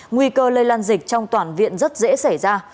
nguy cơ lây lan dịch trong toàn viện rất dễ xảy ra